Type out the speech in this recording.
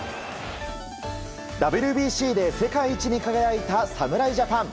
ＷＢＣで世界一に輝いた侍ジャパン。